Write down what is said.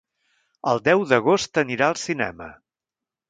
El deu d'agost anirà al cinema.